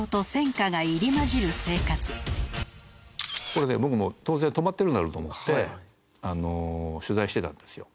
これね僕も当然止まってるんだろうと思って取材してたんですよ。